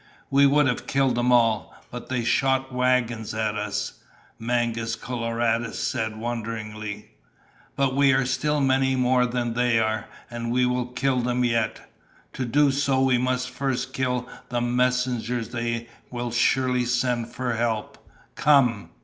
"We would have killed them all, but they shot wagons at us," Mangus Coloradus said wonderingly. "But we are still many more than they are, and we will kill them yet. To do so, we must first kill the messengers they will surely send for help. Come."